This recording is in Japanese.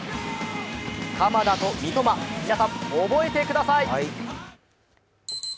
鎌田と三笘、皆さん、覚えてください！